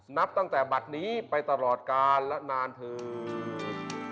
นับตั้งแต่บัตรนี้ไปตลอดกาลและนานเถิด